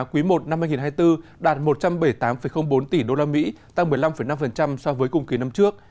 quý i năm hai nghìn hai mươi bốn đạt một trăm bảy mươi tám bốn tỷ usd tăng một mươi năm năm so với cùng kỳ năm trước